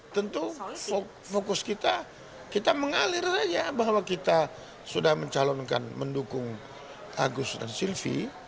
tentu fokus kita kita mengalir saja bahwa kita sudah mencalonkan mendukung agus dan silvi